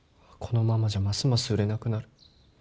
このままじゃますます売れなくなる。